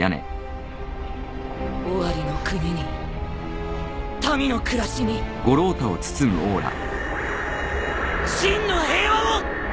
オワリの国に民の暮らしに真の平和を！